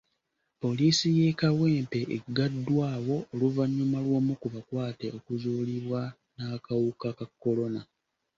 Poliisi y'e Kawempe eggaddwawo oluvannyuma lw'omu ku bakwate okuzuulibwa n'akawuka ka kolona.